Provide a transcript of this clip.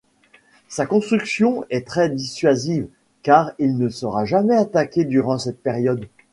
Sa construction est très dissuasive car il ne sera jamais attaqué durant cette période.